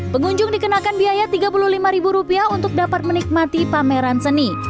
pengunjung dikenakan biaya rp tiga puluh lima untuk dapat menikmati pameran seni